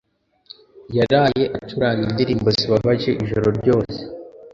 yaraye acuranga indirimbo zibabaje ijoro ryose